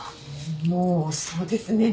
もうそうですね。